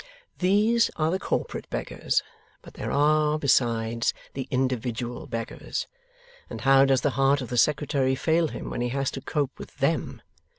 These are the corporate beggars. But there are, besides, the individual beggars; and how does the heart of the Secretary fail him when he has to cope with THEM!